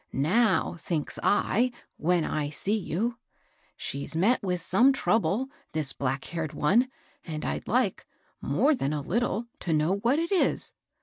Now thinks I, when I see you, * She's met with some trouble, this black haired one, and I'd like, more than* a Uttle, to know what it is.'